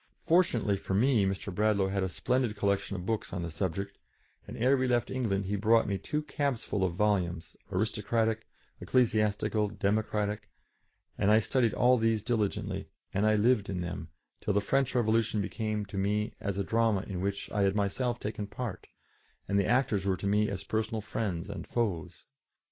Fortunately for me, Mr. Bradlaugh had a splendid collection of books on the subject, and ere we left England he brought me two cabs full of volumes, aristocratic, ecclesiastical, democratic, and I studied all these diligently, and lived in them, till the French Revolution became to me as a drama in which I had myself taken part, and the actors were to me as personal friends and foes.